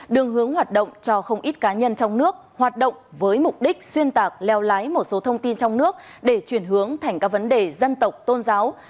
đường hướng hoạt động cho không ít cá nhân trong nước hoạt động với mục đích xuyên tạc leo lái một số thông tin trong nước để chuyển hướng thành các vấn đề dân tộc tôn giáo